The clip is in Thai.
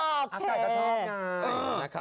อากาศก็ชอบไง